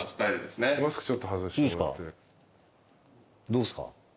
どうすか？